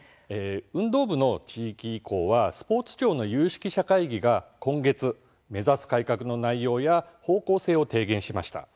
運動部の地域移行はスポーツ庁の有識者会議が今月目指す改革の内容や方向性を提言しました。